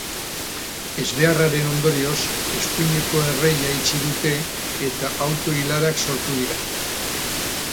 Ezbeharraren ondorioz, eskuineko erreia itxi dute eta auto-ilarak sortu dira.